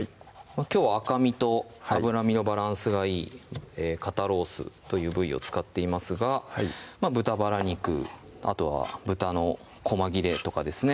きょうは赤身と脂身のバランスがいい肩ロースという部位を使っていますが豚バラ肉あとは豚のこま切れとかですね